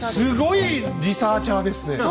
すごいリサーチャーですね。